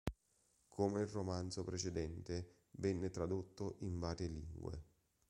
Come il romanzo precedente venne tradotto in varie lingue.